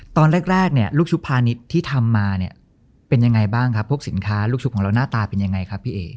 ตอนแรกเนี่ยลูกชุบพาณิชย์ที่ทำมาเนี่ยเป็นยังไงบ้างครับพวกสินค้าลูกชุบของเราหน้าตาเป็นยังไงครับพี่เอ๋